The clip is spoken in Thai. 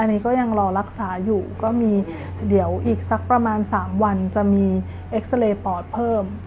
อันนี้ก็ยังรอรักษาอยู่ก็มีเดี๋ยวอีกสักประมาณ๓วันจะมีเอ็กซาเรย์ปอดเพิ่ม